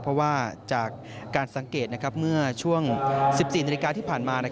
เพราะว่าจากการสังเกตเมื่อช่วง๑๔นาฬิกาที่ผ่านมา